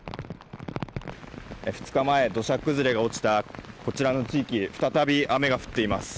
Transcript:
２日前、土砂崩れが起きたこちらの地域に再び雨が降っています。